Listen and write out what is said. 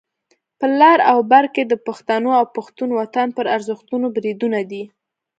په لر او بر کې د پښتنو او پښتون وطن پر ارزښتونو بریدونه دي.